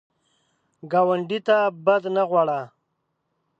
ګاونډي ته بد نه غواړه